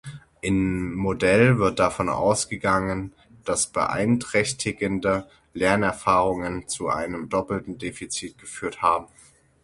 Im Modell wird davon ausgegangen, dass beeinträchtigende Lernerfahrungen zu einem doppelten Defizit geführt haben.